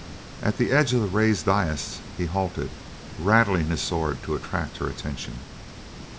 At the edge of the raised dais he halted, rattling his sword to attract her attention.